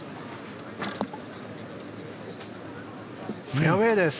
フェアウェーです！